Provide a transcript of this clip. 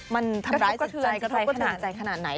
ก็ทำร้ายสิรรคกระถือกระทั้งใจขนาดไหน